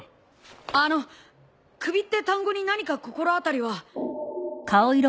あの首って単語に何か心当たりは？